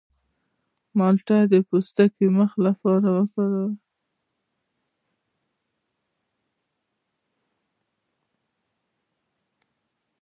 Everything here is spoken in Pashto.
د مالټې پوستکی د مخ لپاره وکاروئ